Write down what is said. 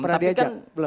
pernah diajak belum